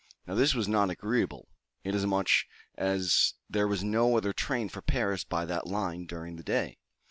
Now this was not agreeable, inasmuch as there was no other train for Paris, by that line, during the day.